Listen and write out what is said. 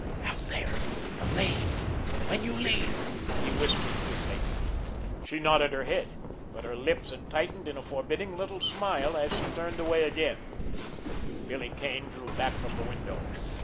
"Out here—the lane—when you leave!" he whispered quickly. She nodded her head, but her lips had tightened in a forbidding little smile as she turned away again, Billy Kane drew back from the window.